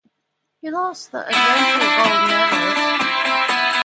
He lost to the eventual gold medallist.